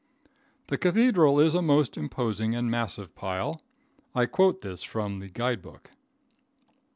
The cathedral is a most imposing and massive pile. I quote this from the guide book.